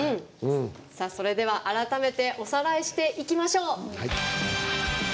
それでは改めておさらいしていきましょう。